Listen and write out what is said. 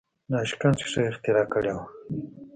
ناشکن ښیښه اختراع کړې وه.